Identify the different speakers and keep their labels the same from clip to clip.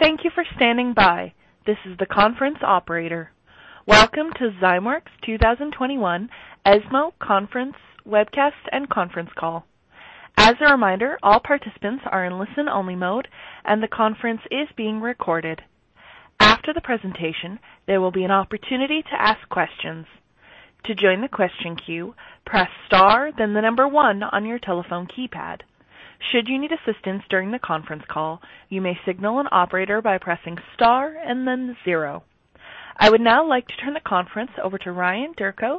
Speaker 1: Thank you for standing by. This is the conference operator. Welcome to Zymeworks' 2021 ESMO Conference Webcast and Conference Call. As a reminder, all participants are in listen-only mode, and the conference is being recorded. After the presentation, there will be an opportunity to ask questions. I would now like to turn the conference over to Ryan Dercho,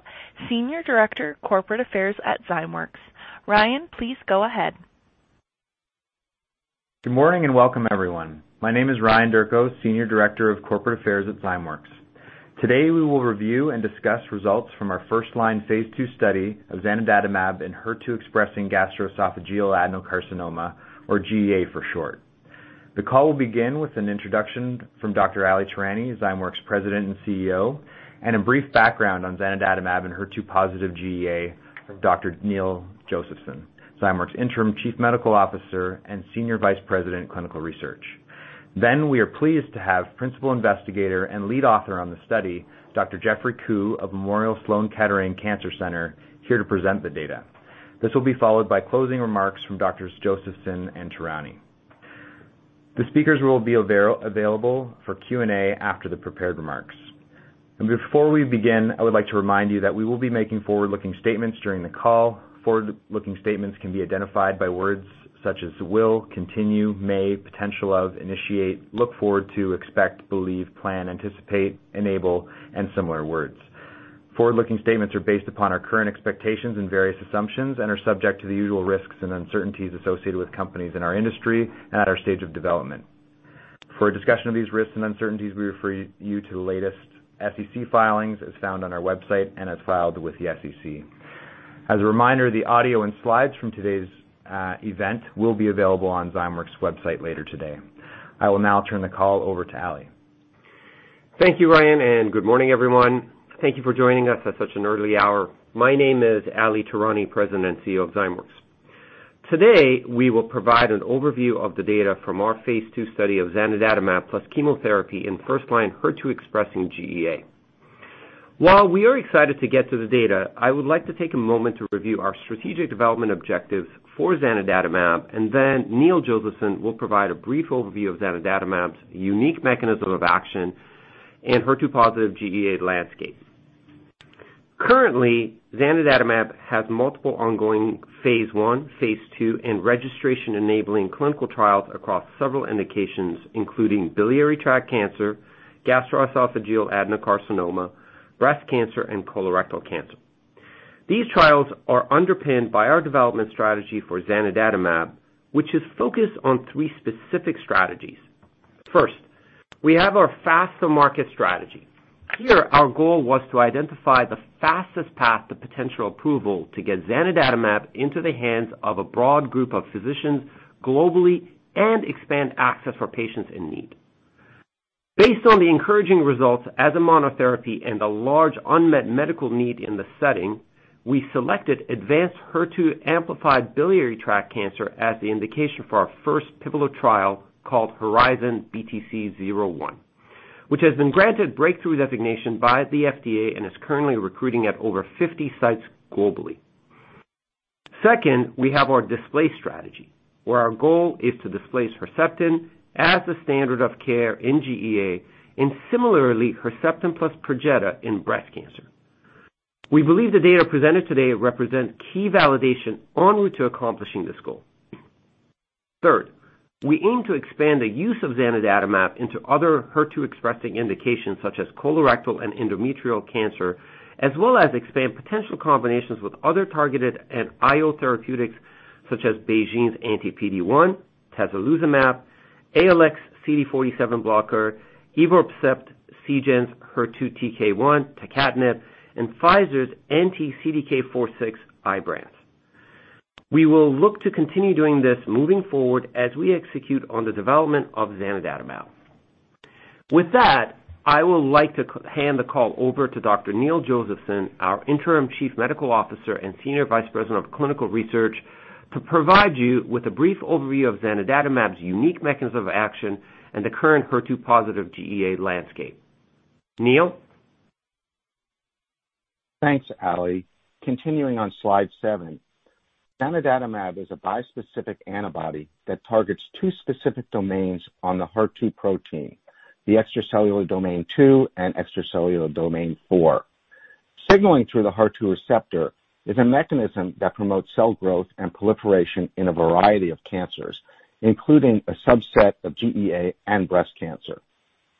Speaker 1: Senior Director, Corporate Affairs at Zymeworks. Ryan, please go ahead.
Speaker 2: Good morning and welcome, everyone. My name is Ryan Dercho, senior director of corporate affairs at Zymeworks. Today, we will review and discuss results from our first-line phase II study of zanidatamab in HER2-expressing gastroesophageal adenocarcinoma, or GEA for short. The call will begin with an introduction from Dr. Ali Tehrani, Zymeworks' president and CEO, and a brief background on zanidatamab and HER2 positive GEA from Dr. Neil Josephson, Zymeworks' interim chief medical officer and senior vice president, clinical research. We are pleased to have principal investigator and lead author on the study, Dr. Geoffrey Ku of Memorial Sloan Kettering Cancer Center, here to present the data. This will be followed by closing remarks from doctors Josephson and Tehrani. The speakers will be available for Q&A after the prepared remarks. Before we begin, I would like to remind you that we will be making forward-looking statements during the call. Forward-looking statements can be identified by words such as will, continue, may, potential of, initiate, look forward to, expect, believe, plan, anticipate, enable, and similar words. Forward-looking statements are based upon our current expectations and various assumptions and are subject to the usual risks and uncertainties associated with companies in our industry and at our stage of development. For a discussion of these risks and uncertainties, we refer you to the latest SEC filings, as found on our website and as filed with the SEC. As a reminder, the audio and slides from today's event will be available on Zymeworks' website later today. I will now turn the call over to Ali.
Speaker 3: Thank you, Ryan. Good morning, everyone. Thank you for joining us at such an early hour. My name is Ali Tehrani, President and CEO of Zymeworks. Today, we will provide an overview of the data from our phase II study of zanidatamab plus chemotherapy in first-line HER2-expressing GEA. While we are excited to get to the data, I would like to take a moment to review our strategic development objectives for zanidatamab. Then Neil Josephson will provide a brief overview of zanidatamab's unique mechanism of action in HER2-positive GEA landscape. Currently, zanidatamab has multiple ongoing phase I, phase II, and registration-enabling clinical trials across several indications, including biliary tract cancer, gastroesophageal adenocarcinoma, breast cancer, and colorectal cancer. These trials are underpinned by our development strategy for zanidatamab, which is focused on three specific strategies. First, we have our faster market strategy. Here, our goal was to identify the fastest path to potential approval to get zanidatamab into the hands of a broad group of physicians globally and expand access for patients in need. Based on the encouraging results as a monotherapy and a large unmet medical need in the setting, we selected advanced HER2-amplified biliary tract cancer as the indication for our first pivotal trial called HERIZON-BTC-01, which has been granted breakthrough designation by the FDA and is currently recruiting at over 50 sites globally. We have our displace strategy, where our goal is to displace Herceptin as the standard of care in GEA, and similarly, Herceptin plus Perjeta in breast cancer. We believe the data presented today represent key validation on route to accomplishing this goal. Third, we aim to expand the use of zanidatamab into other HER2-expressing indications such as colorectal and endometrial cancer, as well as expand potential combinations with other targeted and IO therapeutics such as BeiGene's anti-PD-1, tislelizumab, ALX CD47 blocker, evorpacept, Seagen's HER2 TKI, tucatinib, and Pfizer's anti-CDK4/6 IBRANCE. We will look to continue doing this moving forward as we execute on the development of zanidatamab. With that, I would like to hand the call over to Dr. Neil Josephson, our interim Chief Medical Officer and Senior Vice President of Clinical Research, to provide you with a brief overview of zanidatamab's unique mechanism of action and the current HER2-positive GEA landscape. Neil?
Speaker 4: Thanks, Ali. Continuing on slide 7. Zanidatamab is a bispecific antibody that targets 2 specific domains on the HER2 protein, the extracellular domain 2 and extracellular domain 4. Signaling through the HER2 receptor is a mechanism that promotes cell growth and proliferation in a variety of cancers, including a subset of GEA and breast cancer.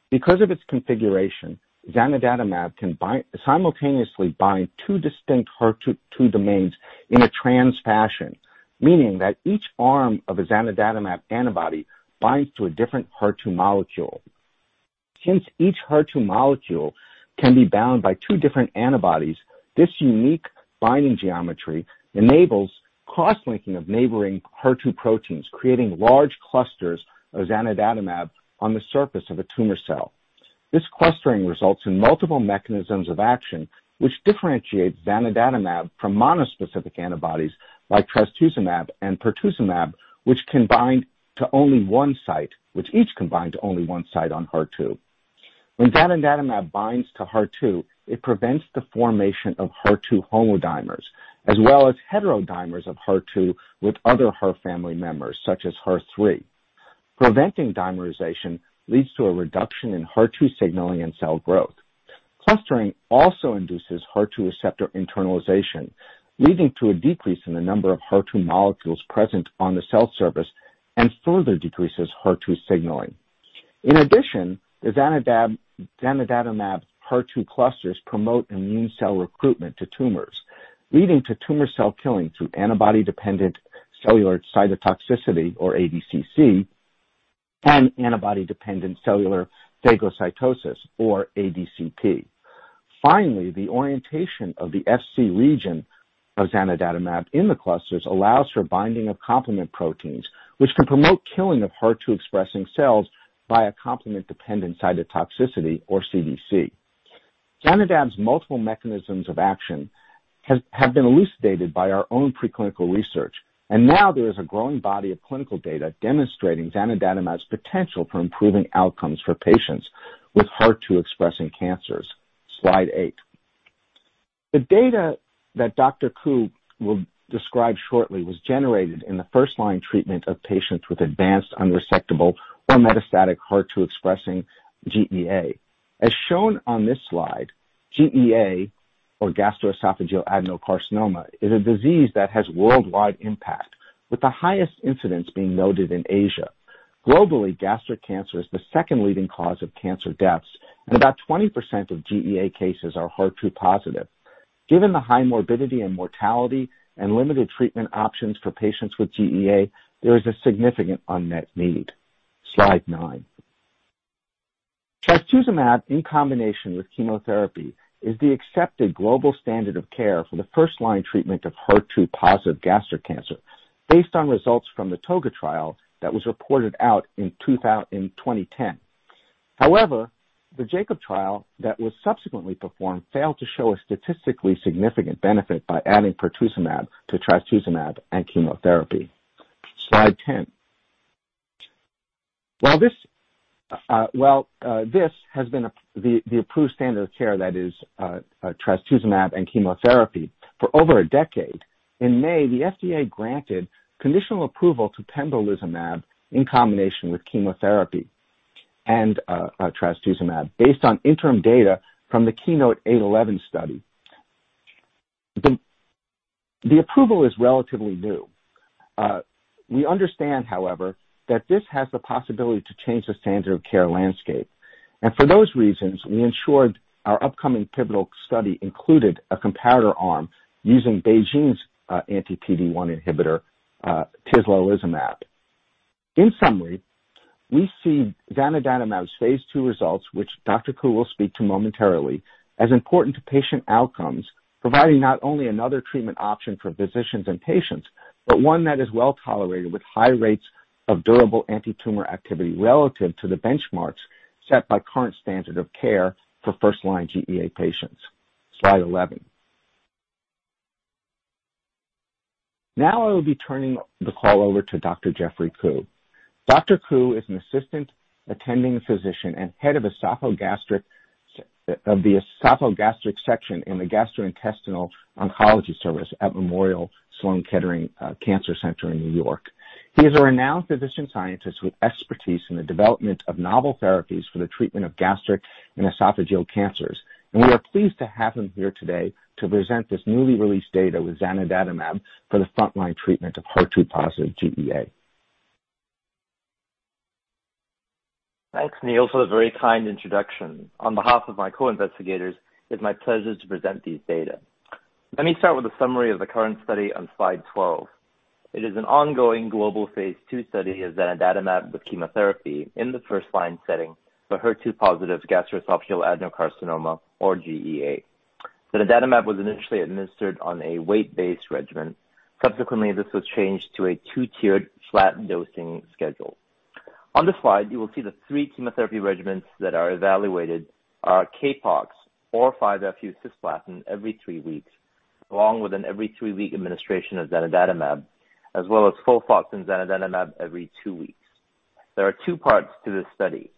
Speaker 4: Because of its configuration, zanidatamab can simultaneously bind 2 distinct HER2 domains in a trans fashion, meaning that each arm of a zanidatamab antibody binds to a different HER2 molecule. Since each HER2 molecule can be bound by 2 different antibodies, this unique binding geometry enables cross-linking of neighboring HER2 proteins, creating large clusters of zanidatamab on the surface of a tumor cell. This clustering results in multiple mechanisms of action, which differentiate zanidatamab from monospecific antibodies like trastuzumab and pertuzumab, which each can bind to only one site on HER2. When zanidatamab binds to HER2, it prevents the formation of HER2 homodimers, as well as heterodimers of HER2 with other HER family members, such as HER3. Preventing dimerization leads to a reduction in HER2 signaling and cell growth. Clustering also induces HER2 receptor internalization, leading to a decrease in the number of HER2 molecules present on the cell surface and further decreases HER2 signaling. In addition, the zanidatamab HER2 clusters promote immune cell recruitment to tumors, leading to tumor cell killing through antibody-dependent cellular cytotoxicity, or ADCC, and antibody-dependent cellular phagocytosis, or ADCP. Finally, the orientation of the Fc region of zanidatamab in the clusters allows for binding of complement proteins, which can promote killing of HER2-expressing cells via complement-dependent cytotoxicity, or CDC. Zanidatamab's multiple mechanisms of action have been elucidated by our own preclinical research, and now there is a growing body of clinical data demonstrating zanidatamab's potential for improving outcomes for patients with HER2-expressing cancers. Slide 8. The data that Dr. Ku will describe shortly was generated in the first-line treatment of patients with advanced unresectable or metastatic HER2-expressing GEA. As shown on this slide, GEA, or gastroesophageal adenocarcinoma, is a disease that has worldwide impact, with the highest incidence being noted in Asia. Globally, gastric cancer is the second leading cause of cancer deaths, and about 20% of GEA cases are HER2 positive. Given the high morbidity and mortality and limited treatment options for patients with GEA, there is a significant unmet need. Slide 9. trastuzumab in combination with chemotherapy is the accepted global standard of care for the first-line treatment of HER2 positive gastric cancer, based on results from the ToGA trial that was reported out in 2010. The JACOB trial that was subsequently performed failed to show a statistically significant benefit by adding pertuzumab to trastuzumab and chemotherapy. Slide 10. While this has been the approved standard of care, that is, trastuzumab and chemotherapy, for over a decade, in May, the FDA granted conditional approval to pembrolizumab in combination with chemotherapy and trastuzumab based on interim data from the KEYNOTE-811 study. The approval is relatively new. We understand, however, that this has the possibility to change the standard of care landscape. For those reasons, we ensured our upcoming pivotal study included a comparator arm using BeiGene's anti-PD-1 inhibitor, tislelizumab. In summary, we see zanidatamab's phase II results, which Dr. Ku will speak to momentarily, as important to patient outcomes, providing not only another treatment option for physicians and patients, but one that is well-tolerated with high rates of durable antitumor activity relative to the benchmarks set by current standard of care for first-line GEA patients. Slide 11. I will be turning the call over to Dr. Geoffrey Ku. Dr. Ku is an assistant attending physician and head of the esophageal gastric section in the gastrointestinal oncology service at Memorial Sloan Kettering Cancer Center in N.Y. He is a renowned physician scientist with expertise in the development of novel therapies for the treatment of gastric and esophageal cancers. We are pleased to have him here today to present this newly released data with zanidatamab for the frontline treatment of HER2-positive GEA.
Speaker 5: Thanks, Neil, for the very kind introduction. On behalf of my co-investigators, it's my pleasure to present these data. Let me start with a summary of the current study on slide 12. It is an ongoing global phase II study of zanidatamab with chemotherapy in the first-line setting for HER2 positive gastroesophageal adenocarcinoma, or GEA. Zanidatamab was initially administered on a weight-based regimen. Subsequently, this was changed to a two-tiered flattened dosing schedule. On the slide, you will see the three chemotherapy regimens that are evaluated are CAPOX or 5-FU cisplatin every three weeks, along with an every three-week administration of zanidatamab, as well as FOLFOX and zanidatamab every two weeks. There are two parts to this study.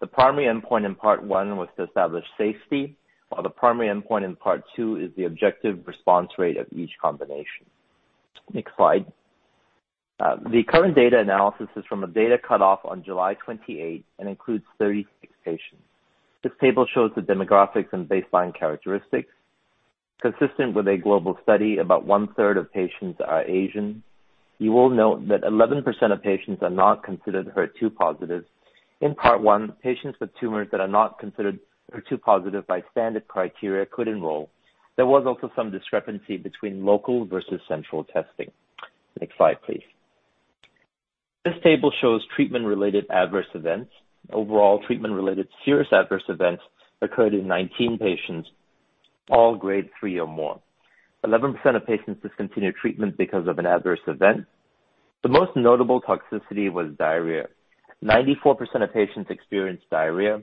Speaker 5: The primary endpoint in part 1 was to establish safety, while the primary endpoint in part 2 is the objective response rate of each combination. Next slide. The current data analysis is from a data cutoff on July 28th and includes 36 patients. This table shows the demographics and baseline characteristics. Consistent with a global study, about one-third of patients are Asian. You will note that 11% of patients are not considered HER2 positive. In part 1, patients with tumors that are not considered HER2 positive by standard criteria could enroll. There was also some discrepancy between local versus central testing. Next slide, please. This table shows treatment-related adverse events. Overall treatment-related serious adverse events occurred in 19 patients, all grade 3 or more. 11% of patients discontinued treatment because of an adverse event. The most notable toxicity was diarrhea. 94% of patients experienced diarrhea,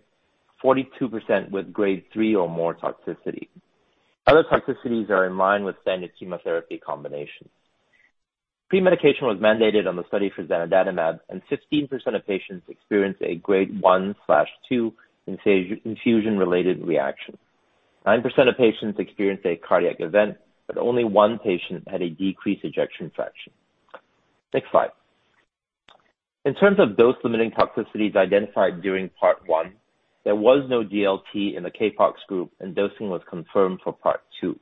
Speaker 5: 42% with Grade 3 or more toxicity. Other toxicities are in line with standard chemotherapy combinations. Pre-medication was mandated on the study for zanidatamab, and 15% of patients experienced a Grade 1/2 infusion-related reaction. 9% of patients experienced a cardiac event, but only one patient had a decreased ejection fraction. Next slide. In terms of dose-limiting toxicities identified during Part 1, there was no DLT in the CAPOX group, and dosing was confirmed for Part 2.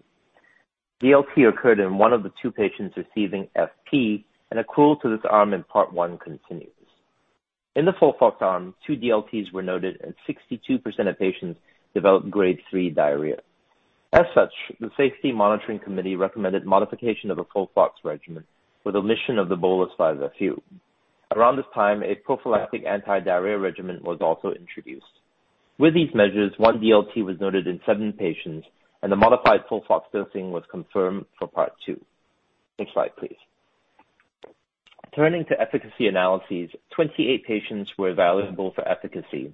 Speaker 5: DLT occurred in one of the two patients receiving FP, and accrual to this arm in Part 1 continues. In the FOLFOX arm, two DLTs were noted, and 62% of patients developed Grade 3 diarrhea. The Safety Monitoring Committee recommended modification of a FOLFOX regimen with omission of the bolus 5-FU. Around this time, a prophylactic anti-diarrhea regimen was also introduced. With these measures, one DLT was noted in seven patients, and the modified FOLFOX dosing was confirmed for Part 2. Next slide, please. Turning to efficacy analyses, 28 patients were evaluable for efficacy.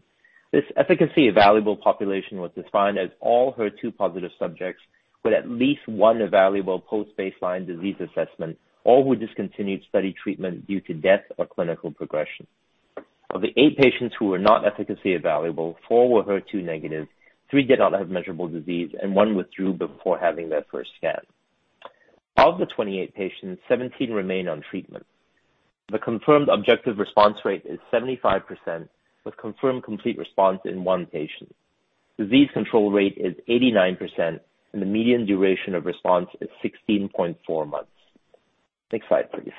Speaker 5: This efficacy evaluable population was defined as all HER2-positive subjects with at least one evaluable post-baseline disease assessment, all who discontinued study treatment due to death or clinical progression. Of the eight patients who were not efficacy evaluable, four were HER2 negative, three did not have measurable disease, and one withdrew before having their first scan. Of the 28 patients, 17 remain on treatment. The confirmed objective response rate is 75%, with confirmed complete response in one patient. Disease control rate is 89%, and the median duration of response is 16.4 months. Next slide, please.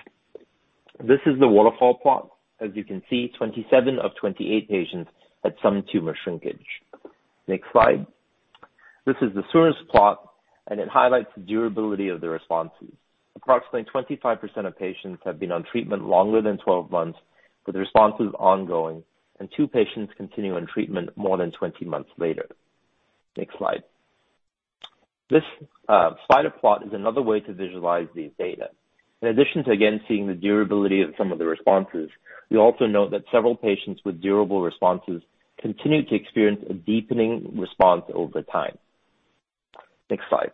Speaker 5: This is the waterfall plot. As you can see, 27 of 28 patients had some tumor shrinkage. Next slide. This is the Suros plot, and it highlights the durability of the responses. Approximately 25% of patients have been on treatment longer than 12 months, with responses ongoing, and two patients continue on treatment more than 20 months later. Next slide. This spider plot is another way to visualize these data. In addition to, again, seeing the durability of some of the responses, we also note that several patients with durable responses continued to experience a deepening response over time. Next slide.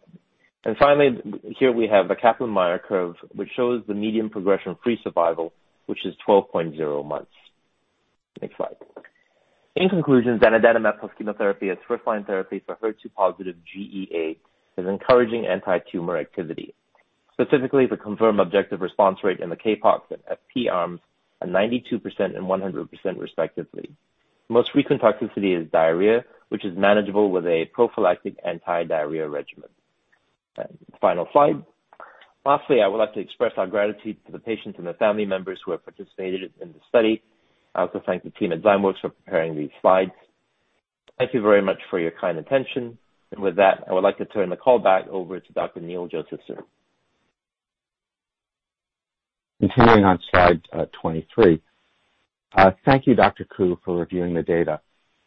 Speaker 5: Finally, here we have a Kaplan-Meier curve, which shows the median progression-free survival, which is 12.0 months. Next slide. In conclusion, zanidatamab plus chemotherapy as first-line therapy for HER2-positive GEA is encouraging anti-tumor activity. Specifically, the confirmed objective response rate in the CAPOX and FP arms are 92% and 100%, respectively. Most frequent toxicity is diarrhea, which is manageable with a prophylactic anti-diarrhea regimen. Final slide. Lastly, I would like to express our gratitude to the patients and the family members who have participated in the study. I also thank the team at Zymeworks for preparing these slides. Thank you very much for your kind attention. With that, I would like to turn the call back over to Dr. Neil Josephson.
Speaker 4: Continuing on slide 23. Thank you, Dr. Ku, for reviewing the data.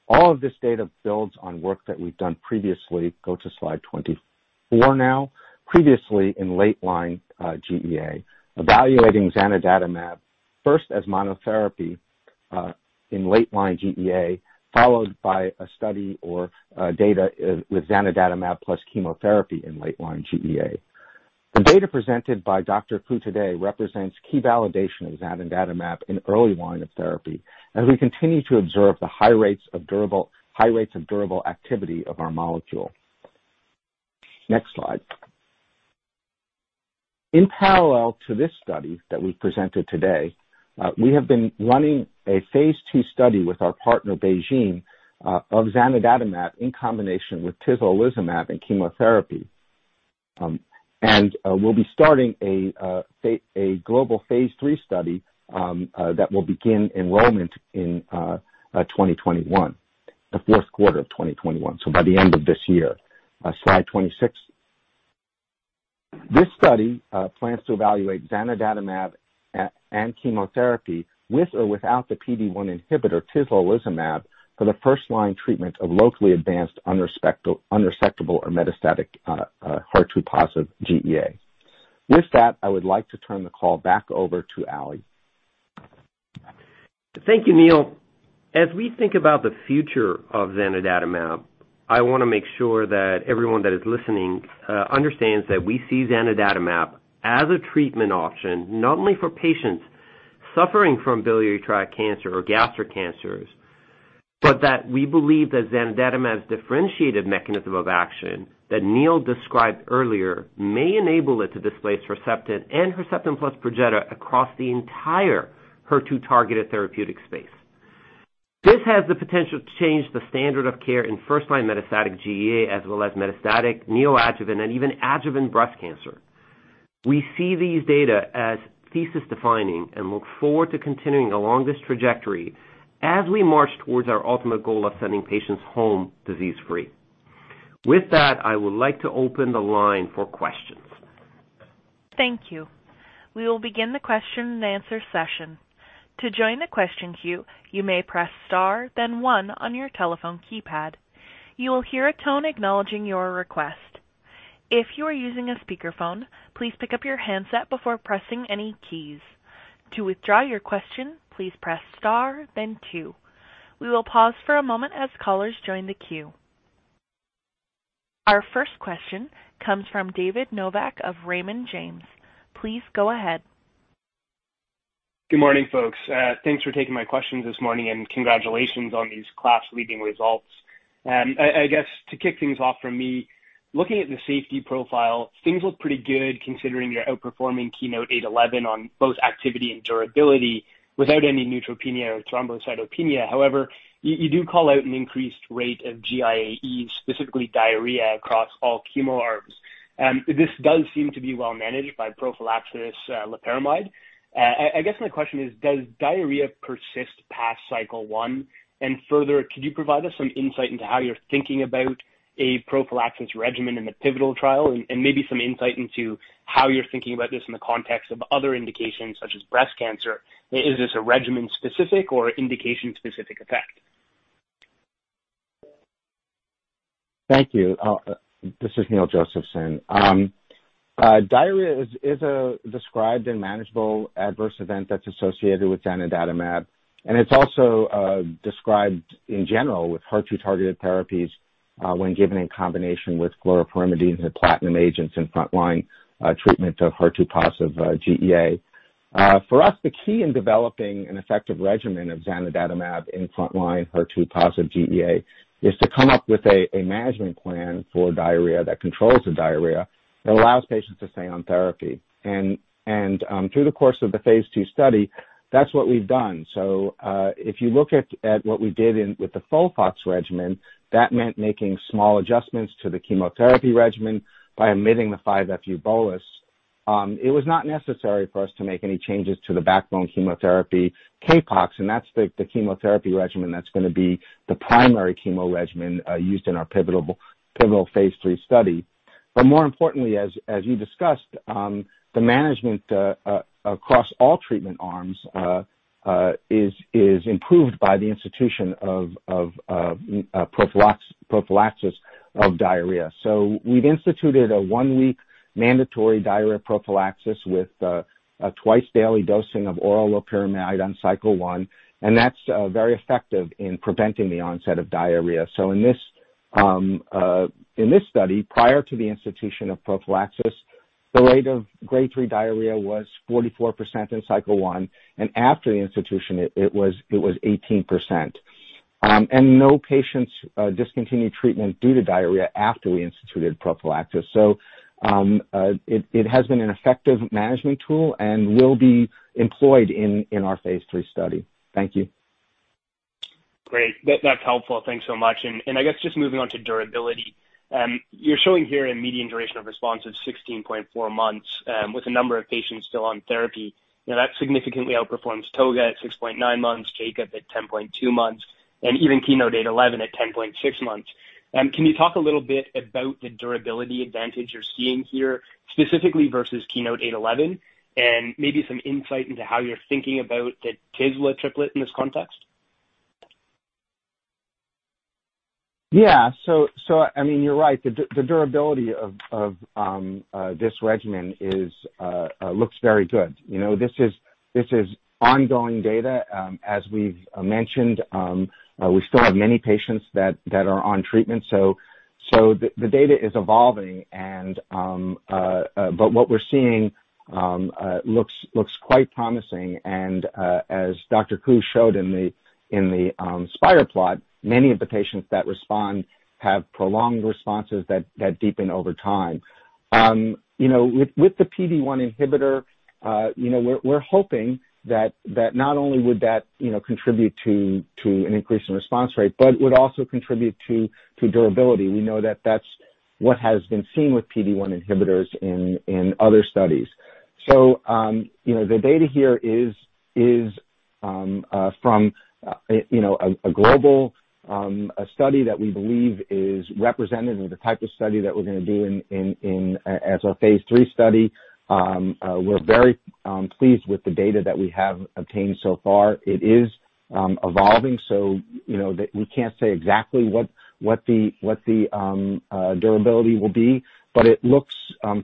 Speaker 4: All of this data builds on work that we've done previously. Go to slide 24 now. Previously in late-line GEA, evaluating zanidatamab first as monotherapy in late-line GEA, followed by a study or data with zanidatamab plus chemotherapy in late-line GEA. The data presented by Dr. Ku today represents key validation of zanidatamab in early line of therapy, as we continue to observe the high rates of durable activity of our molecule. Next slide. In parallel to this study that we presented today, we have been running a phase II study with our partner, BeiGene, of zanidatamab in combination with tislelizumab and chemotherapy. We'll be starting a global phase III study that will begin enrollment in 2021, the fourth quarter of 2021, so by the end of this year. Slide 26. This study plans to evaluate zanidatamab and chemotherapy with or without the PD-1 inhibitor, tislelizumab, for the first-line treatment of locally advanced, unresectable, or metastatic HER2-positive GEA. With that, I would like to turn the call back over to Ali.
Speaker 3: Thank you, Neil. As we think about the future of zanidatamab, I want to make sure that everyone that is listening understands that we see zanidatamab as a treatment option, not only for patients suffering from biliary tract cancer or gastric cancers, but that we believe that zanidatamab's differentiated mechanism of action that Neil described earlier may enable it to displace Herceptin and Herceptin plus Perjeta across the entire HER2-targeted therapeutic space. This has the potential to change the standard of care in first-line metastatic GEA, as well as metastatic, neoadjuvant, and even adjuvant breast cancer. We see these data as thesis-defining and look forward to continuing along this trajectory as we march towards our ultimate goal of sending patients home disease-free. With that, I would like to open the line for questions.
Speaker 1: Thank you. We will begin the question and answer session. To join the question queue, you may press star then 1 on your telephone keypad. You will hear a tone acknowledging your request. If you are using a speakerphone, please pick up your handset before pressing any keys. To withdraw your question, please press star then 2. We will pause for a moment as callers join the queue. Our first question comes from David Novak of Raymond James. Please go ahead.
Speaker 6: Good morning, folks. Thanks for taking my questions this morning, and congratulations on these class-leading results. I guess to kick things off for me, looking at the safety profile, things look pretty good considering you're outperforming KEYNOTE-811 on both activity and durability without any neutropenia or thrombocytopenia. However, you do call out an increased rate of GIAE, specifically diarrhea, across all chemo arms. This does seem to be well managed by prophylactic loperamide. I guess my question is, does diarrhea persist past cycle 1? Further, could you provide us some insight into how you're thinking about a prophylaxis regimen in the pivotal trial and maybe some insight into how you're thinking about this in the context of other indications such as breast cancer? Is this a regimen-specific or indication-specific effect?
Speaker 4: Thank you. This is Neil Josephson. Diarrhea is a described and manageable adverse event that's associated with zanidatamab, and it's also described in general with HER2-targeted therapies when given in combination with fluoropyrimidine and platinum agents in frontline treatment of HER2-positive GEA. For us, the key in developing an effective regimen of zanidatamab in frontline HER2-positive GEA is to come up with a management plan for diarrhea that controls the diarrhea and allows patients to stay on therapy. Through the course of the phase II study, that's what we've done. If you look at what we did with the FOLFOX regimen, that meant making small adjustments to the chemotherapy regimen by omitting the 5-FU bolus. It was not necessary for us to make any changes to the backbone chemotherapy, CAPOX, and that's the chemotherapy regimen that's going to be the primary chemo regimen used in our pivotal phase III study. More importantly, as you discussed, the management across all treatment arms is improved by the institution of prophylaxis of diarrhea. We've instituted a 1-week mandatory diarrhea prophylaxis with a twice-daily dosing of oral loperamide on cycle 1, and that's very effective in preventing the onset of diarrhea. In this study, prior to the institution of prophylaxis, the rate of grade 3 diarrhea was 44% in cycle 1, and after the institution, it was 18%. No patients discontinued treatment due to diarrhea after we instituted prophylaxis. It has been an effective management tool and will be employed in our phase III study. Thank you.
Speaker 6: Great. That's helpful. Thanks so much. I guess just moving on to durability. You're showing here a median duration of response of 16.4 months with a number of patients still on therapy. Now, that significantly outperforms ToGA at 6.9 months, JACOB at 10.2 months, and even KEYNOTE-811 at 10.6 months. Can you talk a little bit about the durability advantage you're seeing here, specifically versus KEYNOTE-811, and maybe some insight into how you're thinking about the tislelizumab triplet in this context?
Speaker 4: Yeah. You're right. The durability of this regimen looks very good. This is ongoing data. As we've mentioned, we still have many patients that are on treatment. The data is evolving, but what we're seeing looks quite promising, and as Dr. Ku showed in the spiral plot, many of the patients that respond have prolonged responses that deepen over time. With the PD-1 inhibitor, we're hoping that not only would that contribute to an increase in response rate, but would also contribute to durability. We know that that's what has been seen with PD-1 inhibitors in other studies. The data here is from a global study that we believe is representative of the type of study that we're going to do as our phase III study. We're very pleased with the data that we have obtained so far. It is evolving, so we can't say exactly what the durability will be, but it looks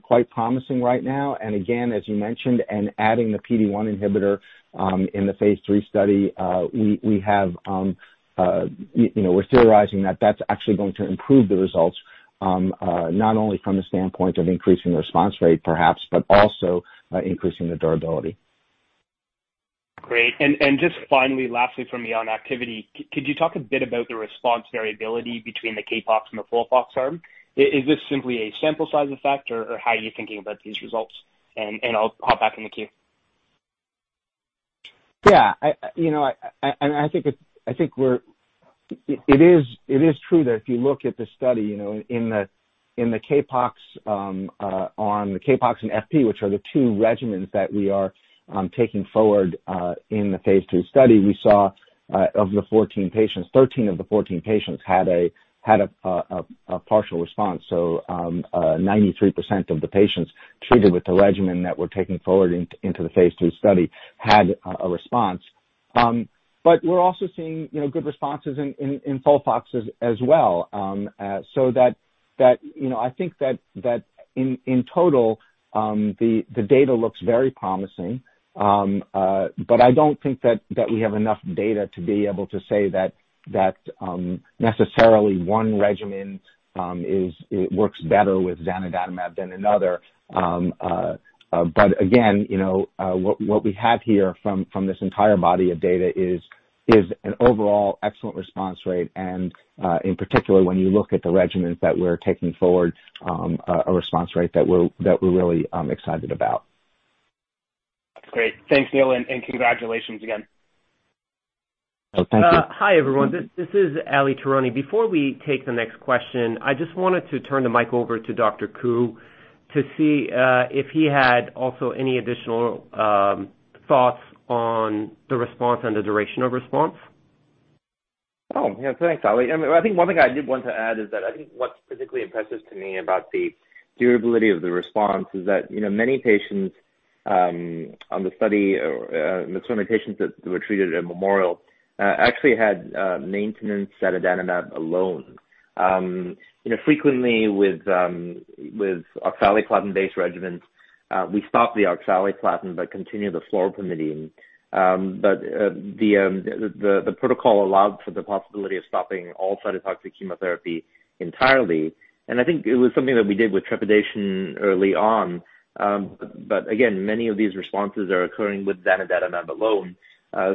Speaker 4: quite promising right now. Again, as you mentioned, and adding the PD-1 inhibitor in the phase III study, we're theorizing that that's actually going to improve the results, not only from the standpoint of increasing the response rate, perhaps, but also increasing the durability.
Speaker 6: Great. Just finally, lastly from me on activity, could you talk a bit about the response variability between the CAPOX and the FOLFOX arm? Is this simply a sample size effect, or how are you thinking about these results? I'll hop back in the queue.
Speaker 4: I think it is true that if you look at the study in the CAPOX and FP, which are the two regimens that we are taking forward in the phase II study, we saw 13 of the 14 patients had a partial response. 93% of the patients treated with the regimen that we're taking forward into the phase II study had a response. We're also seeing good responses in FOLFOX as well. I think that in total, the data looks very promising. I don't think that we have enough data to be able to say that necessarily one regimen works better with zanidatamab than another. Again, what we have here from this entire body of data is an overall excellent response rate and, in particular, when you look at the regimens that we're taking forward, a response rate that we're really excited about.
Speaker 6: Great. Thanks, Neil, and congratulations again.
Speaker 4: Oh, thank you.
Speaker 3: Hi, everyone. This is Ali Tehrani. Before we take the next question, I just wanted to turn the mic over to Dr. Ku to see if he had also any additional thoughts on the response and the duration of response.
Speaker 5: Yeah. Thanks, Ali. I think one thing I did want to add is that I think what's particularly impressive to me about the durability of the response is that many patients on the study, or the 20 patients that were treated at Memorial, actually had maintenance zanidatamab alone. Frequently with oxaliplatin-based regimens, we stop the oxaliplatin but continue the fluoropyrimidine. The protocol allowed for the possibility of stopping all cytotoxic chemotherapy entirely, and I think it was something that we did with trepidation early on. Again, many of these responses are occurring with zanidatamab alone.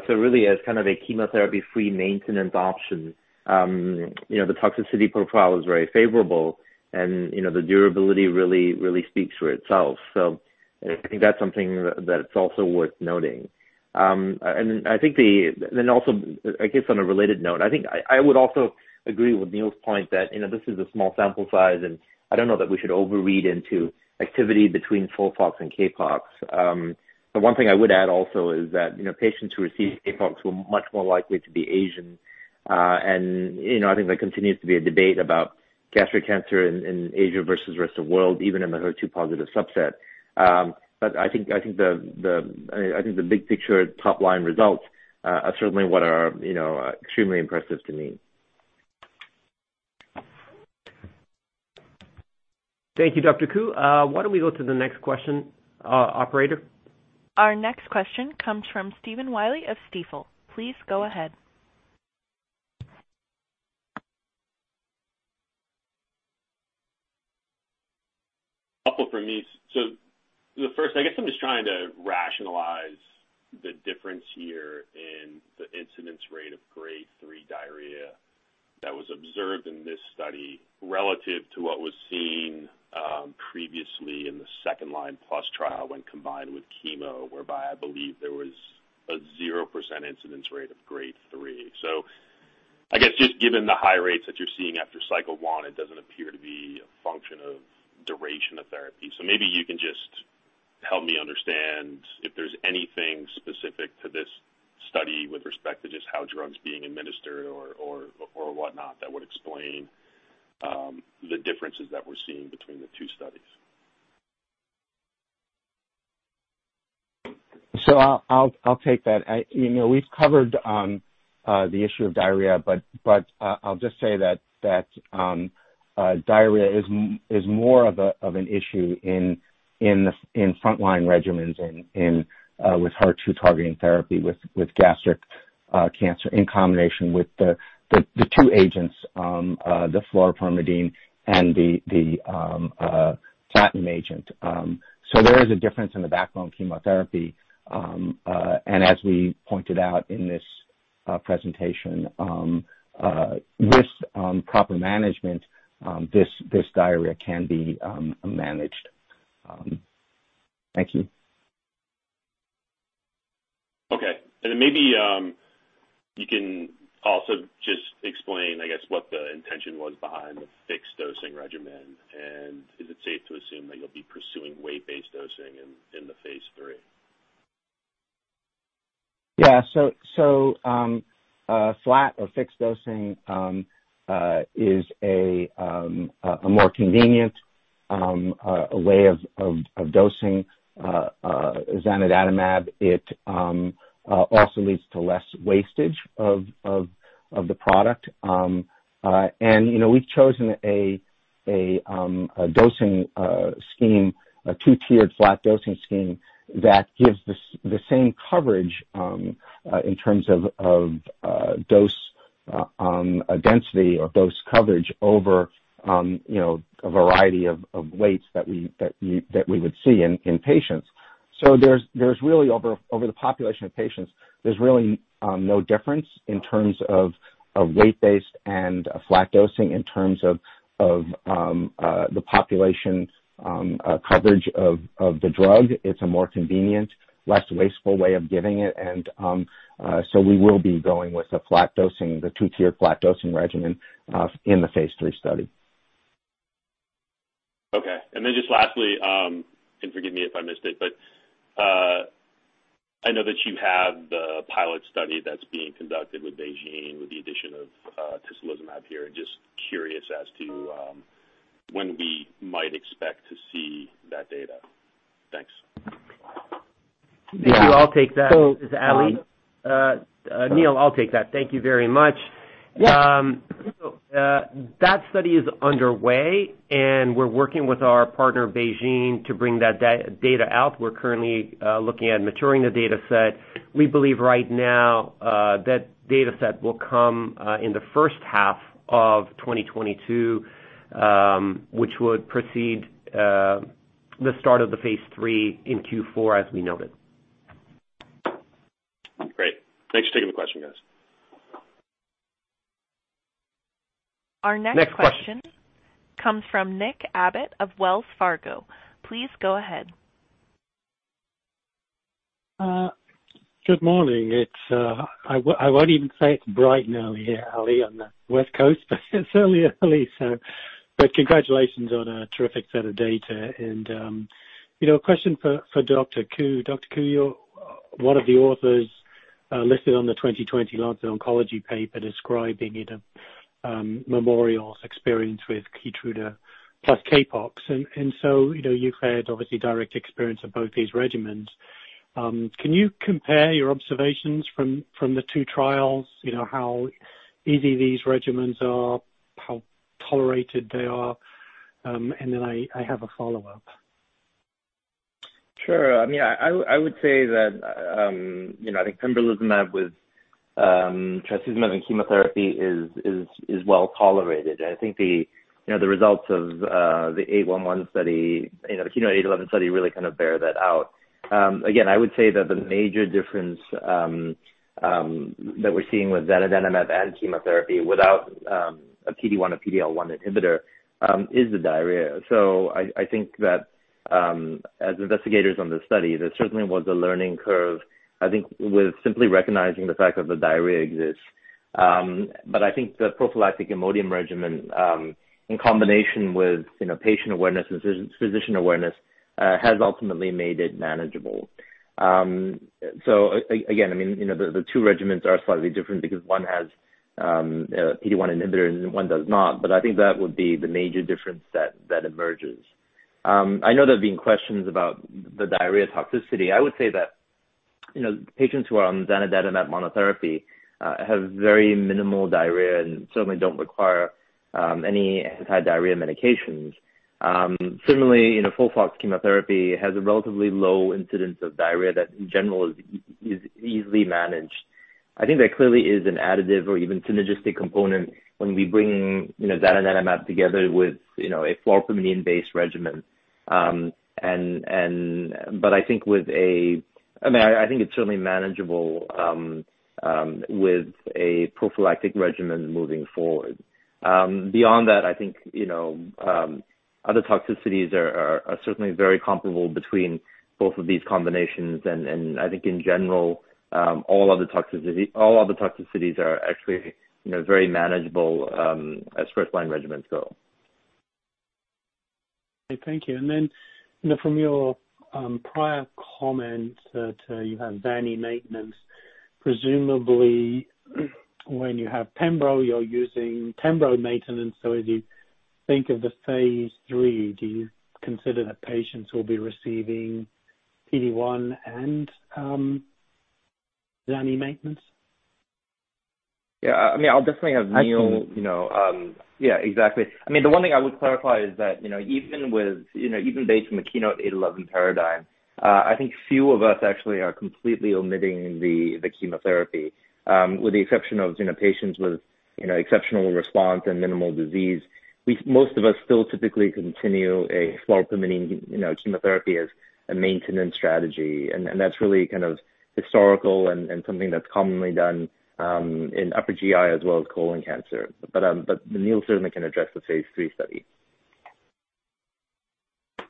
Speaker 5: Really, as kind of a chemotherapy-free maintenance option. The toxicity profile is very favorable, and the durability really speaks for itself. I think that's something that's also worth noting. Also, I guess on a related note, I think I would also agree with Neil's point that this is a small sample size, and I don't know that we should overread into activity between FOLFOX and CAPOX. The one thing I would add also is that patients who received CAPOX were much more likely to be Asian. I think there continues to be a debate about gastric cancer in Asia versus the rest of the world, even in the HER2-positive subset. I think the big-picture top-line results are certainly what are extremely impressive to me.
Speaker 3: Thank you, Dr. Ku. Why don't we go to the next question, operator?
Speaker 1: Our next question comes from Stephen Willey of Stifel. Please go ahead.
Speaker 7: A couple from me. The first, I guess I'm just trying to rationalize the difference here in the incidence rate of grade 3 diarrhea that was observed in this study relative to what was seen previously in the second-line plus trial when combined with chemo, whereby I believe there was a 0% incidence rate of grade 3. I guess just given the high rates that you're seeing after cycle 1, it doesn't appear to be a function of duration of therapy. Maybe you can just help me understand if there's anything specific to this study with respect to just how drug's being administered or whatnot that would explain the differences that we're seeing between the two studies.
Speaker 4: I'll take that. We've covered the issue of diarrhea, but I'll just say that diarrhea is more of an issue in frontline regimens with HER2-targeting therapy with gastric cancer in combination with the two agents, the fluoropyrimidine and the platinum agent. There is a difference in the backbone chemotherapy. As we pointed out in this presentation, with proper management, this diarrhea can be managed. Thank you.
Speaker 7: Okay, and then maybe you can also just explain, I guess, what the intention was behind the fixed dosing regimen, and is it safe to assume that you'll be pursuing weight-based dosing in the phase III?
Speaker 4: Yeah. Flat or fixed dosing is a more convenient way of dosing zanidatamab. It also leads to less wastage of the product. We've chosen a dosing scheme, a two-tiered flat dosing scheme that gives the same coverage in terms of dose density or dose coverage over a variety of weights that we would see in patients. There's really, over the population of patients, there's really no difference in terms of weight-based and flat dosing in terms of the population coverage of the drug. It's a more convenient, less wasteful way of giving it, we will be going with the two-tiered flat dosing regimen in the phase III study.
Speaker 7: Okay, just lastly, forgive me if I missed it, but I know that you have the pilot study that's being conducted with BeiGene with the addition of tislelizumab here, just curious as to when we might expect to see that data? Thanks.
Speaker 3: Yeah. Maybe I'll take that. This is Ali. Neil, I'll take that. Thank you very much.
Speaker 4: Yeah.
Speaker 3: That study is underway, and we're working with our partner BeiGene to bring that data out. We're currently looking at maturing the data set. We believe right now, that data set will come in the first half of 2022, which would precede the start of the phase III in Q4, as we noted.
Speaker 7: Great. Thanks for taking the question, guys.
Speaker 1: Our next question.
Speaker 3: Next question.
Speaker 1: comes from Nick Abbott of Wells Fargo. Please go ahead.
Speaker 8: Good morning. I won't even say it's bright and early here, Ali, on the West Coast, but it's certainly early. Congratulations on a terrific set of data. A question for Dr. Ku. Dr. Ku, you're one of the authors listed on the 2020 The Lancet Oncology paper describing Memorial's experience with KEYTRUDA plus CAPOX. You've had obviously direct experience of both these regimens. Can you compare your observations from the two trials, how easy these regimens are, how tolerated they are? I have a follow-up.
Speaker 5: Sure. I would say that I think pembrolizumab with trastuzumab and chemotherapy is well-tolerated. I think the results of the KEYNOTE-811 study really kind of bear that out. Again, I would say that the major difference that we're seeing with zanidatamab and chemotherapy without a PD-1 or PD-L1 inhibitor, is the diarrhea. I think that, as investigators on this study, there certainly was a learning curve, I think, with simply recognizing the fact that the diarrhea exists. I think the prophylactic IMODIUM regimen, in combination with patient awareness and physician awareness, has ultimately made it manageable. Again, the two regimens are slightly different because one has a PD-1 inhibitor and one does not. I think that would be the major difference that emerges. I know there have been questions about the diarrhea toxicity. I would say that patients who are on zanidatamab monotherapy have very minimal diarrhea and certainly don't require any anti-diarrhea medications. Similarly, FOLFOX chemotherapy has a relatively low incidence of diarrhea that, in general, is easily managed. I think there clearly is an additive or even synergistic component when we bring zanidatamab together with a fluoropyrimidine-based regimen. I think it's certainly manageable with a prophylactic regimen moving forward. Beyond that, I think other toxicities are certainly very comparable between both of these combinations. I think in general, all other toxicities are actually very manageable as first-line regimens.
Speaker 8: Thank you. Then, from your prior comment that you have zani maintenance, presumably when you have pembro, you're using pembro maintenance. As you think of the phase III, do you consider that patients will be receiving PD-1 and zani maintenance?
Speaker 5: Yeah. I'll definitely have Neil.
Speaker 8: I see.
Speaker 5: Yeah, exactly. The one thing I would clarify is that, even based on the KEYNOTE-811 paradigm, I think few of us actually are completely omitting the chemotherapy. With the exception of patients with exceptional response and minimal disease, most of us still typically continue a fluoropyrimidine chemotherapy as a maintenance strategy. That's really kind of historical and something that's commonly done in upper GI as well as colon cancer. Neil certainly can address the phase III study.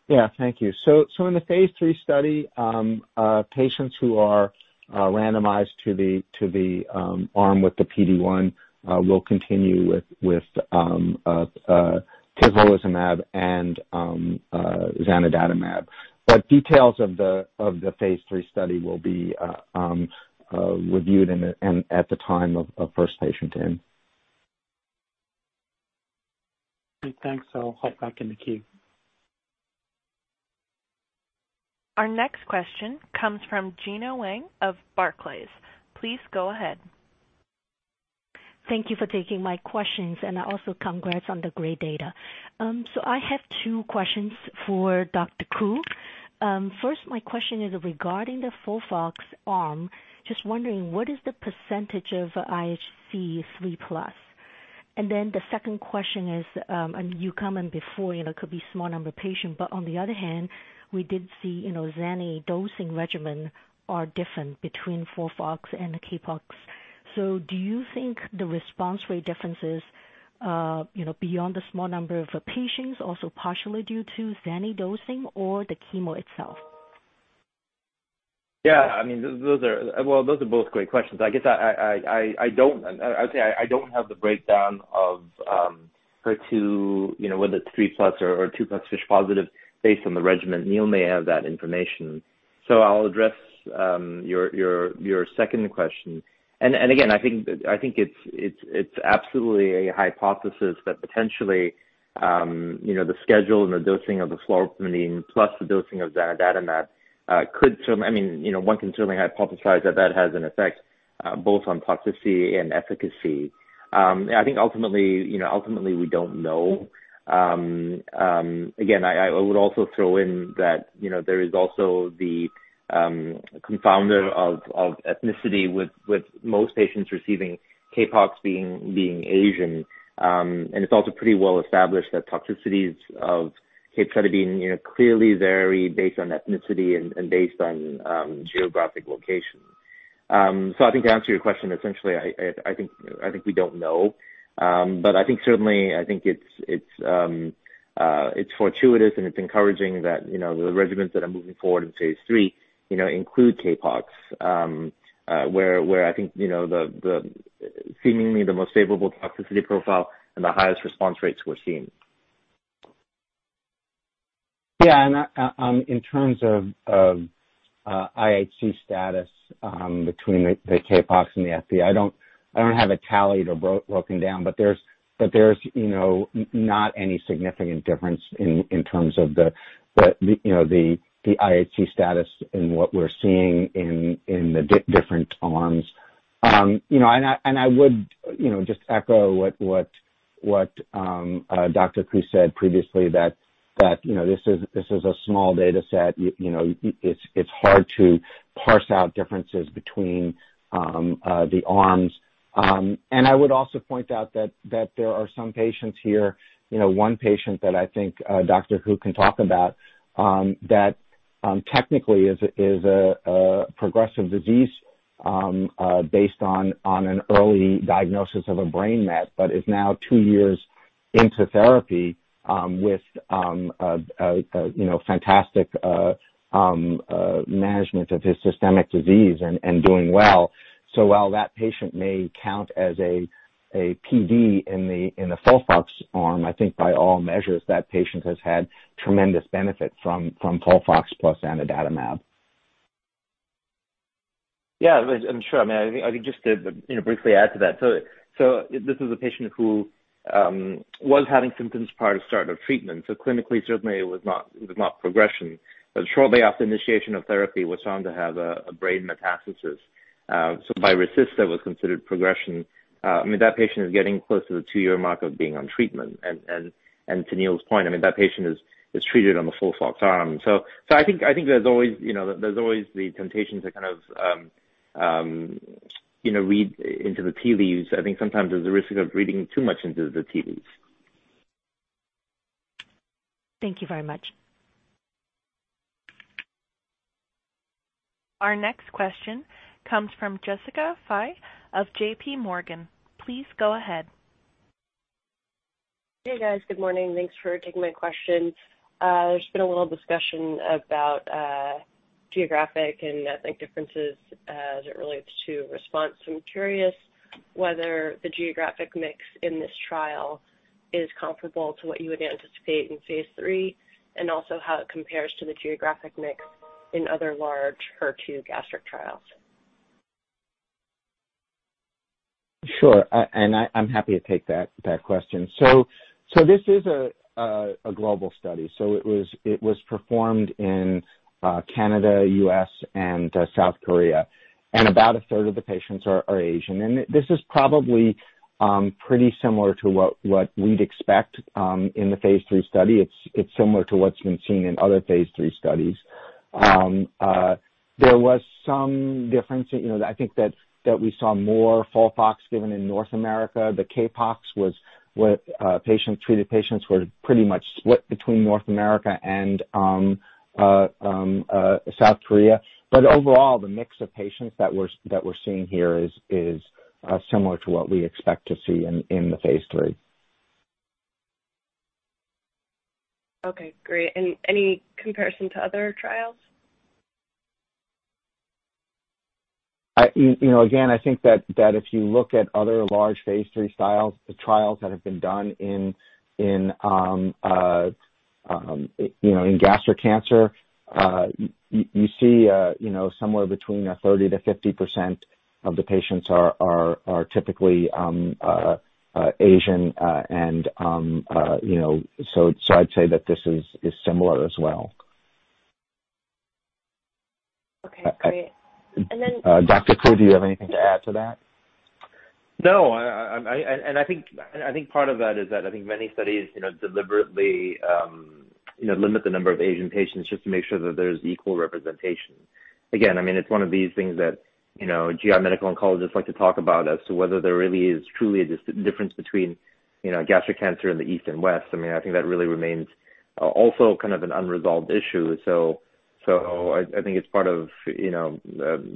Speaker 4: Yeah. Thank you. In the phase III study, patients who are randomized to the arm with the PD-1 will continue with tislelizumab and zanidatamab. Details of the phase III study will be reviewed at the time of first patient in.
Speaker 8: Okay, thanks. I'll hop back in the queue.
Speaker 1: Our next question comes from Gena Wang of Barclays. Please go ahead.
Speaker 9: Thank you for taking my questions, also congrats on the great data. I have two questions for Dr. Ku. First, my question is regarding the FOLFOX arm. Just wondering, what is the percentage of IHC 3+? The second question is, you commented before, it could be small number of patient, but on the other hand, we did see zani dosing regimen are different between FOLFOX and CAPOX. Do you think the response rate difference is beyond the small number of patients also partially due to zani dosing or the chemo itself?
Speaker 5: Yeah. Those are both great questions. I don't have the breakdown of HER2, whether it's 3+ or 2+ FISH positive based on the regimen. Neil may have that information. I'll address your second question. Again, I think it's absolutely a hypothesis that potentially, the schedule and the dosing of the fluoropyrimidine plus the dosing of zanidatamab could. One can certainly hypothesize that that has an effect both on toxicity and efficacy. I think ultimately, we don't know. Again, I would also throw in that there is also the confounder of ethnicity with most patients receiving CAPOX being Asian. It's also pretty well established that toxicities of capecitabine clearly vary based on ethnicity and based on geographic location. I think to answer your question, essentially, I think we don't know. I think certainly, it's fortuitous and it's encouraging that the regimens that are moving forward in phase III include CAPOX, where I think seemingly the most favorable toxicity profile and the highest response rates were seen.
Speaker 4: In terms of IHC status between the CAPOX and the FP, I don't have it tallied or broken down, but there's not any significant difference in terms of the IHC status in what we're seeing in the different arms. I would just echo what Geoffrey Ku said previously, that this is a small data set. It's hard to parse out differences between the arms. I would also point out that there are some patients here, 1 patient that I think Geoffrey Ku can talk about, that technically is a progressive disease based on an early diagnosis of a brain met, but is now 2 years into therapy with fantastic management of his systemic disease and doing well. While that patient may count as a PD in the FOLFOX arm, I think by all measures, that patient has had tremendous benefit from FOLFOX plus zanidatamab.
Speaker 5: Yeah. Sure. I think just to briefly add to that. This is a patient who was having symptoms prior to start of treatment. Clinically, certainly it was not progression. Shortly after initiation of therapy, was found to have a brain metastasis. By RECIST, that was considered progression. That patient is getting close to the 2-year mark of being on treatment. To Neil's point, that patient is treated on the FOLFOX arm. I think there's always the temptation to kind of read into the tea leaves. I think sometimes there's a risk of reading too much into the tea leaves.
Speaker 1: Thank you very much. Our next question comes from Jessica Fye of JPMorgan. Please go ahead.
Speaker 10: Hey, guys. Good morning. Thanks for taking my question. There's been a little discussion about geographic and ethnic differences as it relates to response. I'm curious whether the geographic mix in this trial is comparable to what you would anticipate in phase III, and also how it compares to the geographic mix in other large HER2 gastric trials.
Speaker 4: Sure. I'm happy to take that question. This is a global study. It was performed in Canada, U.S., and South Korea. About a third of the patients are Asian. This is probably pretty similar to what we'd expect in the phase III study. It's similar to what's been seen in other phase III studies. There was some difference. I think that we saw more FOLFOX given in North America. The CAPOX treated patients were pretty much split between North America and South Korea. Overall, the mix of patients that we're seeing here is similar to what we expect to see in the phase III.
Speaker 10: Okay, great. Any comparison to other trials?
Speaker 4: Again, I think that if you look at other large phase III trials that have been done in gastric cancer, you see somewhere between 30%-50% of the patients are typically Asian, so I'd say that this is similar as well.
Speaker 10: Okay, great. And then.
Speaker 4: Geoffrey Ku, do you have anything to add to that?
Speaker 5: No. I think part of that is that I think many studies deliberately limit the number of Asian patients just to make sure that there's equal representation. It's one of these things that GI medical oncologists like to talk about as to whether there really is truly a difference between gastric cancer in the East and West. I think that really remains also kind of an unresolved issue. I think it's part of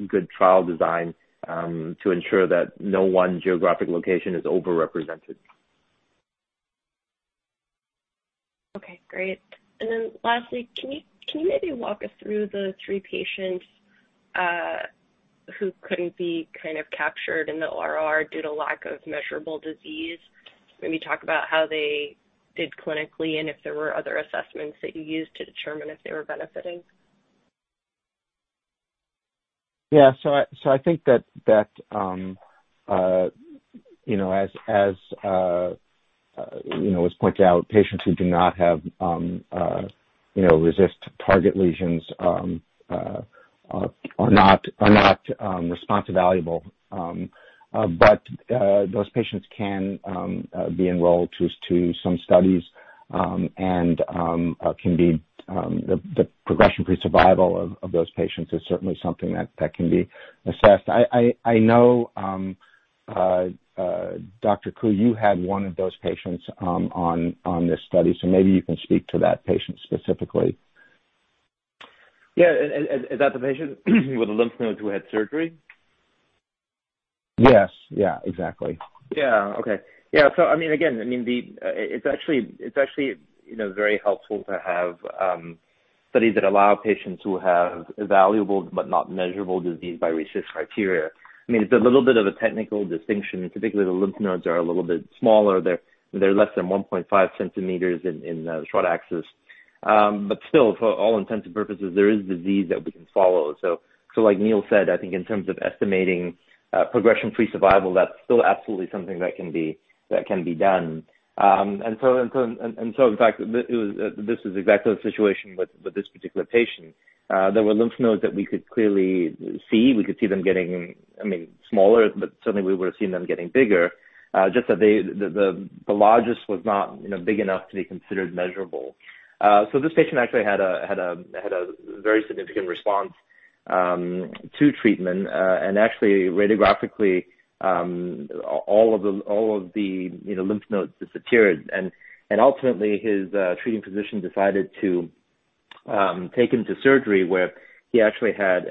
Speaker 5: good trial design to ensure that no one geographic location is over-represented.
Speaker 10: Okay, great. Lastly, can you maybe walk us through the 3 patients who couldn't be captured in the ORR due to lack of measurable disease. Maybe talk about how they did clinically and if there were other assessments that you used to determine if they were benefiting.
Speaker 4: Yeah. I think that, as was pointed out, patients who do not have RECIST target lesions are not RECIST evaluable. Those patients can be enrolled to some studies and the progression-free survival of those patients is certainly something that can be assessed. I know, Dr. Ku, you had one of those patients on this study, so maybe you can speak to that patient specifically.
Speaker 5: Yeah. Is that the patient with the lymph nodes who had surgery?
Speaker 4: Yes. Yeah, exactly.
Speaker 5: Yeah. Okay. Yeah, again, it's actually very helpful to have studies that allow patients who have evaluable but not measurable disease by RECIST criteria. It's a little bit of a technical distinction. Typically, the lymph nodes are a little bit smaller. They're less than 1.5 centimeters in the short axis. Still, for all intents and purposes, there is disease that we can follow. Like Neil said, I think in terms of estimating progression-free survival, that's still absolutely something that can be done. In fact, this is exactly the situation with this particular patient. There were lymph nodes that we could clearly see. We could see them getting smaller, but certainly we would've seen them getting bigger. Just that the largest was not big enough to be considered measurable. This patient actually had a very significant response to treatment. Actually radiographically, all of the lymph nodes disappeared, and ultimately his treating physician decided to take him to surgery, where he actually had,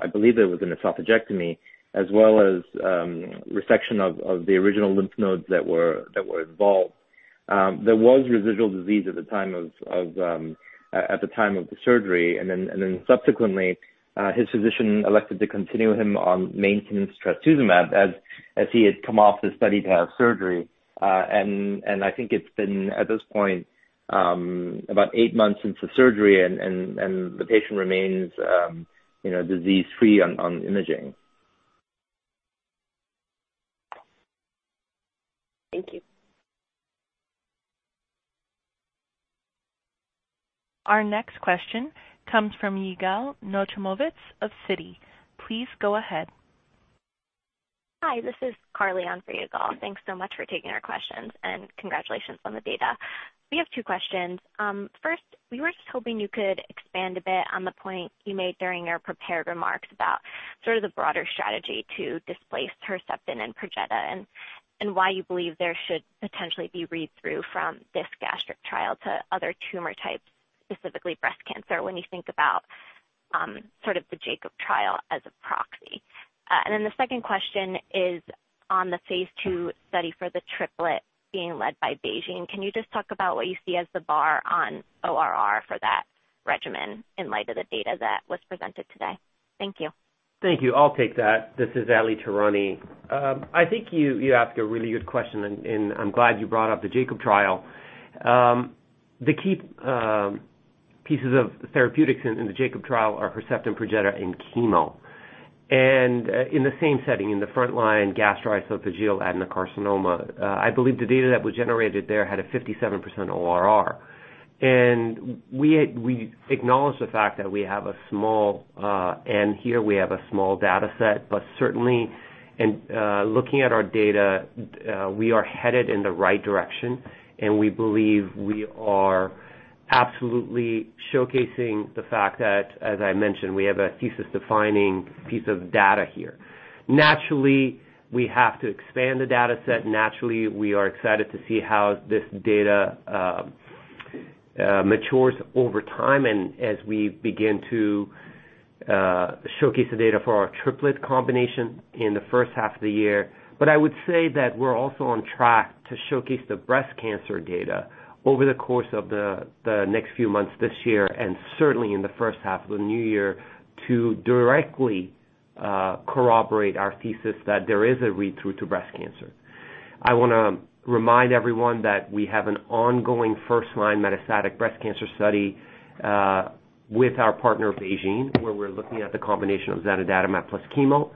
Speaker 5: I believe it was an esophagectomy, as well as resection of the original lymph nodes that were involved. There was residual disease at the time of the surgery. Then subsequently, his physician elected to continue him on maintenance trastuzumab, as he had come off the study to have surgery. I think it's been, at this point, about eight months since the surgery and the patient remains disease-free on imaging.
Speaker 10: Thank you.
Speaker 1: Our next question comes from Yigal Nochomovitz of Citi. Please go ahead.
Speaker 11: Hi, this is Carly on for Yigal. Thanks so much for taking our questions, and congratulations on the data. We have 2 questions. First, we were just hoping you could expand a bit on the point you made during your prepared remarks about sort of the broader strategy to displace Herceptin and Perjeta, and why you believe there should potentially be read-through from this gastric trial to other tumor types, specifically breast cancer, when you think about the JACOB trial as a proxy. Then the second question is on the phase II study for the triplet being led by BeiGene. Can you just talk about what you see as the bar on ORR for that regimen in light of the data that was presented today? Thank you.
Speaker 3: Thank you. I'll take that. This is Ali Tehrani. I think you asked a really good question. I'm glad you brought up the JACOB trial. The key pieces of therapeutics in the JACOB trial are Herceptin, Perjeta, and chemo. In the same setting, in the frontline gastroesophageal adenocarcinoma, I believe the data that was generated there had a 57% ORR. We acknowledge the fact that we have a small data set. Certainly in looking at our data, we are headed in the right direction. We believe we are absolutely showcasing the fact that, as I mentioned, we have a thesis-defining piece of data here. Naturally, we have to expand the data set.
Speaker 5: Naturally, we are excited to see how this data matures over time, and as we begin to showcase the data for our triplet combination in the first half of the year. I would say that we're also on track to showcase the breast cancer data over the course of the next few months this year, and certainly in the first half of the new year, to directly corroborate our thesis that there is a read-through to breast cancer. I want to remind everyone that we have an ongoing first-line metastatic breast cancer study with our partner, BeiGene, where we're looking at the combination of zanidatamab plus chemo.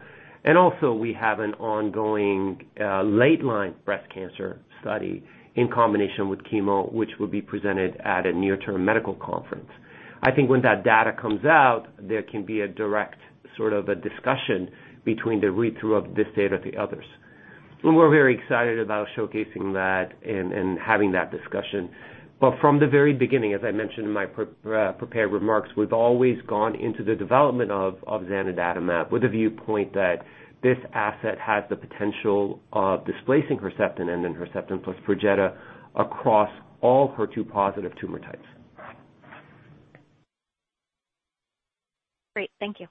Speaker 5: Also we have an ongoing late-line breast cancer study in combination with chemo, which will be presented at a near-term medical conference. I think when that data comes out, there can be a direct sort of a discussion between the read-through of this data to others. We're very excited about showcasing that and having that discussion. From the very beginning, as I mentioned in my prepared remarks, we've always gone into the development of zanidatamab with a viewpoint that this asset has the potential of displacing Herceptin and then Herceptin plus Perjeta across all HER2 positive tumor types.
Speaker 11: Great. Thank you.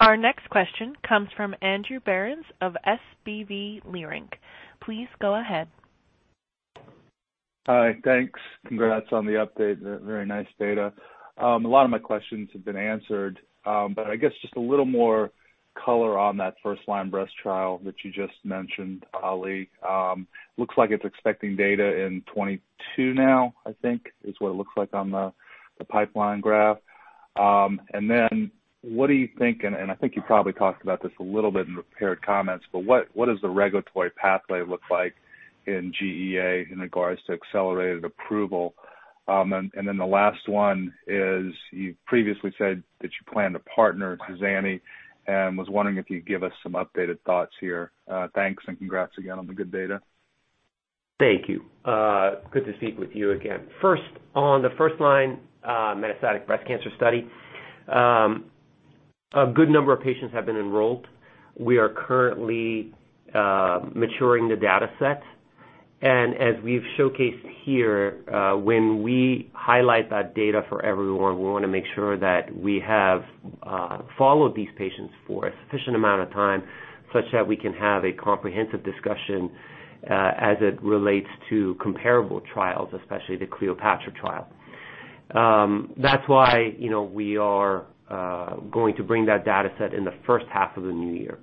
Speaker 1: Our next question comes from Andrew Berens of SVB Leerink. Please go ahead.
Speaker 12: Hi. Thanks. Congrats on the update. Very nice data. A lot of my questions have been answered. I guess just a little more color on that first-line breast trial that you just mentioned, Ali. Looks like it's expecting data in 2022 now, I think, is what it looks like on the pipeline graph. What do you think, and I think you probably talked about this a little bit in prepared comments, what does the regulatory pathway look like in GEA in regards to accelerated approval? The last one is, you previously said that you plan to partner zani and was wondering if you'd give us some updated thoughts here. Thanks. Congrats again on the good data.
Speaker 3: Thank you. Good to speak with you again. First, on the first-line metastatic breast cancer study, a good number of patients have been enrolled. We are currently maturing the data set, and as we've showcased here, when we highlight that data for everyone, we want to make sure that we have followed these patients for a sufficient amount of time such that we can have a comprehensive discussion as it relates to comparable trials, especially the CLEOPATRA trial. That's why we are going to bring that data set in the first half of the new year.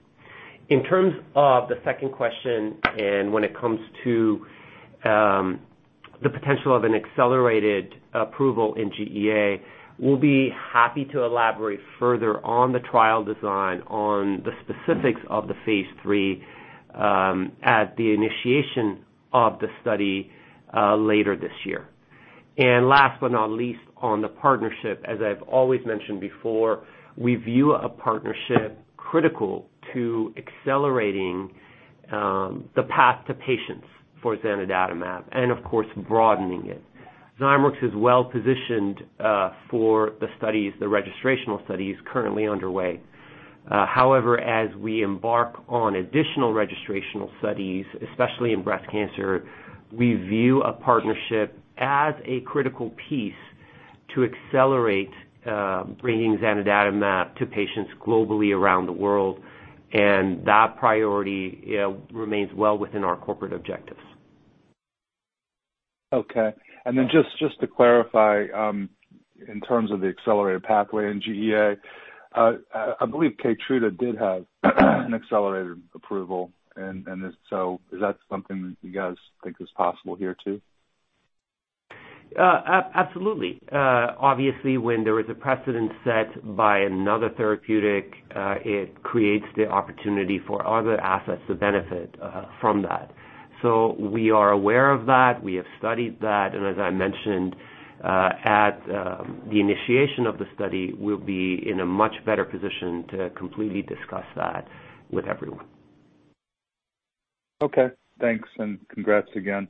Speaker 3: In terms of the second question, and when it comes to the potential of an accelerated approval in GEA, we'll be happy to elaborate further on the trial design on the specifics of the phase III at the initiation of the study later this year. Last but not least, on the partnership, as I've always mentioned before, we view a partnership critical to accelerating the path to patients for zanidatamab and of course broadening it. Zymeworks is well-positioned for the registrational studies currently underway. However, as we embark on additional registrational studies, especially in breast cancer, we view a partnership as a critical piece to accelerate bringing zanidatamab to patients globally around the world, and that priority remains well within our corporate objectives.
Speaker 12: Okay. Just to clarify, in terms of the accelerated pathway in GEA, I believe KEYTRUDA did have an accelerated approval, is that something that you guys think is possible here too?
Speaker 3: Absolutely. Obviously, when there is a precedent set by another therapeutic, it creates the opportunity for other assets to benefit from that. We are aware of that. We have studied that, and as I mentioned, at the initiation of the study, we'll be in a much better position to completely discuss that with everyone.
Speaker 12: Okay, thanks and congrats again.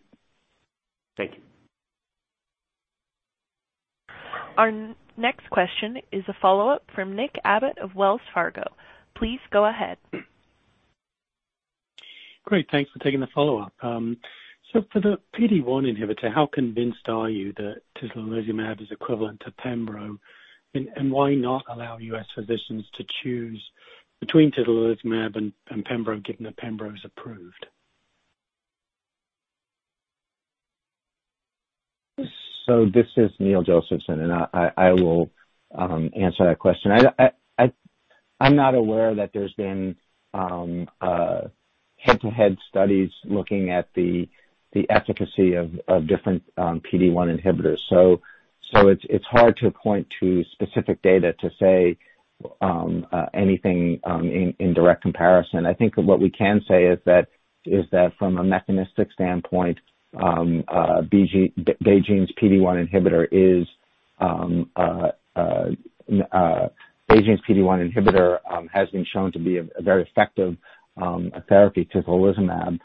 Speaker 3: Thank you.
Speaker 1: Our next question is a follow-up from Nick Abbott of Wells Fargo. Please go ahead.
Speaker 8: Great. Thanks for taking the follow-up. For the PD-1 inhibitor, how convinced are you that tislelizumab is equivalent to pembro, why not allow U.S. physicians to choose between tislelizumab and pembro, given that pembro is approved?
Speaker 4: This is Neil Josephson, and I will answer that question. I'm not aware that there's been head-to-head studies looking at the efficacy of different PD-1 inhibitors. It's hard to point to specific data to say anything in direct comparison. I think what we can say is that from a mechanistic standpoint, BeiGene's PD-1 inhibitor has been shown to be a very effective therapy, tislelizumab.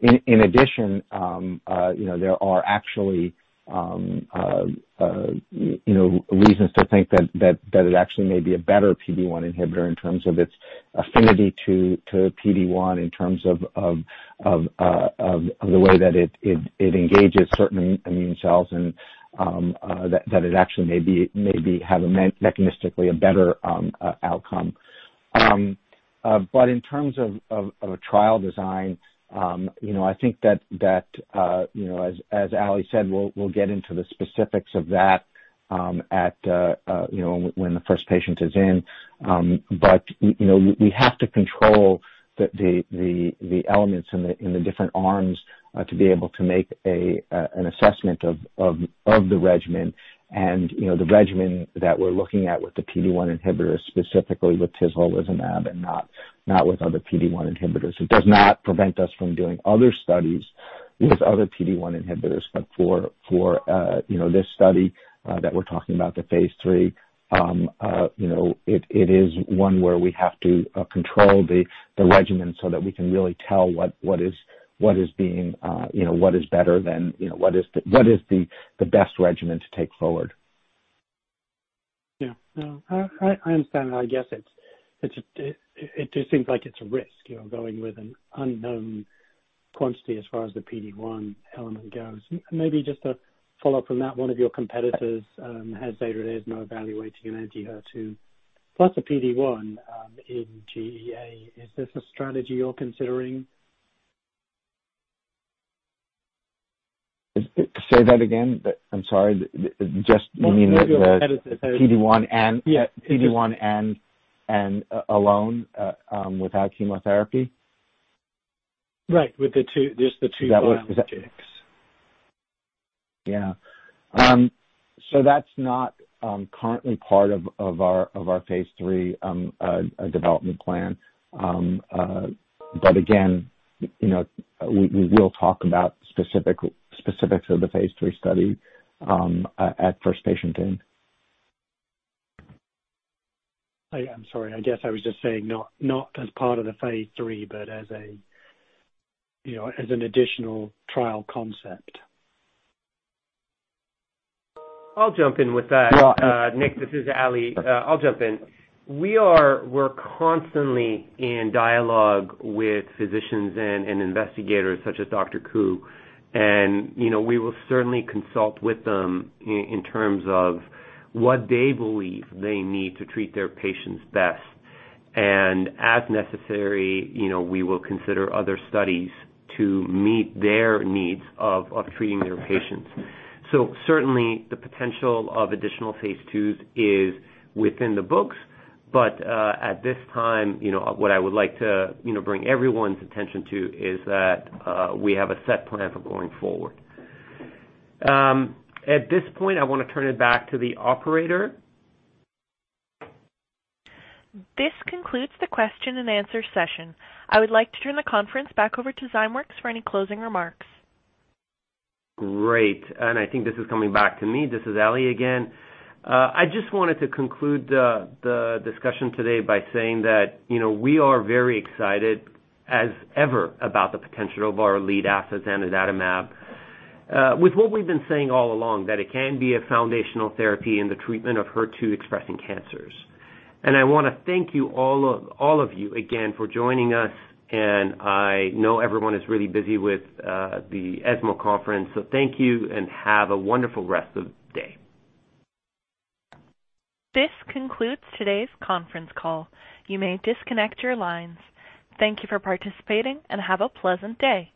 Speaker 4: In addition, there are actually reasons to think that it actually may be a better PD-1 inhibitor in terms of its affinity to PD-1 in terms of the way that it engages certain immune cells and that it actually may have a mechanistically a better outcome. In terms of a trial design, I think that as Ali said, we'll get into the specifics of that when the first patient is in. We have to control the elements in the different arms to be able to make an assessment of the regimen and the regimen that we're looking at with the PD-1 inhibitor, specifically with tislelizumab and not with other PD-1 inhibitors. It does not prevent us from doing other studies with other PD-1 inhibitors. For this study that we're talking about, the phase III, it is one where we have to control the regimen so that we can really tell what is the best regimen to take forward.
Speaker 8: Yeah. No, I understand. I guess it just seems like it's a risk, going with an unknown quantity as far as the PD-1 element goes. Maybe just a follow-up from that. One of your competitors has ZEJULA is now evaluating an anti-HER2 plus a PD-1 in GEA. Is this a strategy you're considering?
Speaker 4: Say that again. I'm sorry.
Speaker 8: One of your competitors.
Speaker 4: PD-1.
Speaker 8: Yeah
Speaker 4: PD-1 and alone without chemotherapy?
Speaker 8: Right. With the two, there's the two biologics.
Speaker 4: Yeah. That's not currently part of our phase III development plan. Again, we will talk about specifics of the phase III study at first patient in.
Speaker 8: I'm sorry. I guess I was just saying not as part of the phase III, but as an additional trial concept.
Speaker 3: I'll jump in with that.
Speaker 4: Yeah.
Speaker 3: Nick, this is Ali. I'll jump in. We're constantly in dialogue with physicians and investigators such as Dr. Ku, we will certainly consult with them in terms of what they believe they need to treat their patients best. As necessary, we will consider other studies to meet their needs of treating their patients. Certainly, the potential of additional Phase IIs is within the books. At this time, what I would like to bring everyone's attention to is that we have a set plan for going forward. At this point, I want to turn it back to the operator.
Speaker 1: This concludes the question and answer session. I would like to turn the conference back over to Zymeworks for any closing remarks.
Speaker 3: Great, I think this is coming back to me. This is Ali again. I just wanted to conclude the discussion today by saying that we are very excited as ever about the potential of our lead asset, zanidatamab. With what we've been saying all along, that it can be a foundational therapy in the treatment of HER2 expressing cancers. I want to thank all of you again for joining us, and I know everyone is really busy with the ESMO conference, so thank you and have a wonderful rest of day.
Speaker 1: This concludes today's conference call. You may disconnect your lines. Thank you for participating, and have a pleasant day.